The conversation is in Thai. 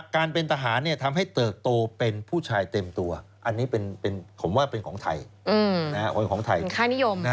การเป็นทหารทำให้เติบโตเป็นผู้ชายเต็มตัวอันนี้ผมว่าเป็นของไทย